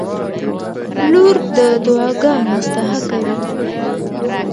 • لور د دعاګانو مستحقه وي.